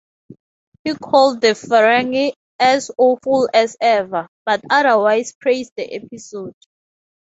He called the Ferengi "as awful as ever", but otherwise praised the episode.